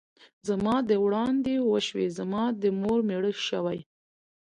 ـ زما دې وړاندې وشوې ، زما دې مور مېړه شوې.